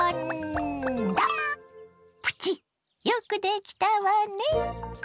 プチよくできたわね。